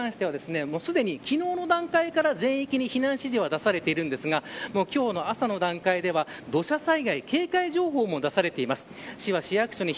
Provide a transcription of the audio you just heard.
豊見城市に関しては昨日の段階から全域に避難指示が出されていますが今日の朝の段階では土砂災害警戒情報も出されています。